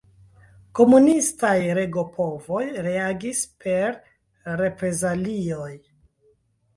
Komunistaj regopovoj reagis per reprezalioj.